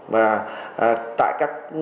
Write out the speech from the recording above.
và tại các